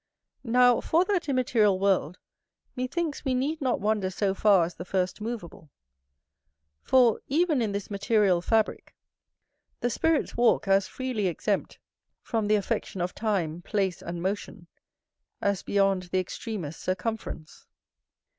Now for that immaterial world, methinks we need not wander so far as the first moveable; for, even in this material fabrick, the spirits walk as freely exempt from the affection of time, place, and motion, as beyond the extremest circumference.